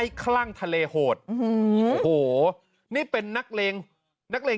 เดินเท้าไปเลยแต่ไม่เจอใครนะไม่มีใครอยู่บ้าน